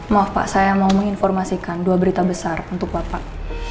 maaf pak saya mau menginformasikan dua berita besar untuk bapak